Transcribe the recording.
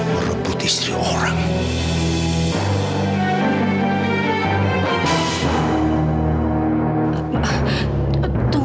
semoga sudah tamat